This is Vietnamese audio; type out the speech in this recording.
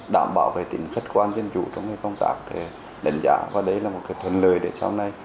đảm bảo về tính khách quan dân chủ trong công tác đánh giá và đấy là một cái thuận lợi để sau này